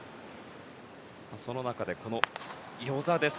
その中で、この與座です。